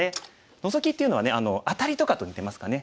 ノゾキっていうのはねアタリとかと似てますかね。